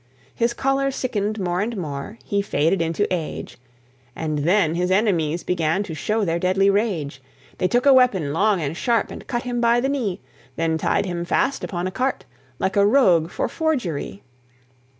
His colour sickened more and more, He faded into age; And then his enemies began To show their deadly rage. They took a weapon long and sharp, And cut him by the knee, Then tied him fast upon a cart, Like a rogue for forgery.